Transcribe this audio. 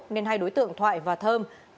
nên hai đối tượng thoại và thơm